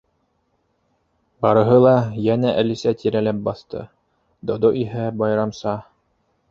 Барыһы ла йәнә Әлисә тирәләп баҫты, Додо иһә байрамса